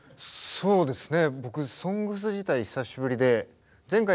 そうですね。